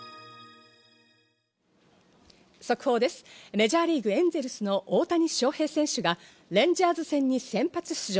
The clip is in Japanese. メジャーリーグ、エンゼルスの大谷翔平選手がレンジャーズ戦に先発出場。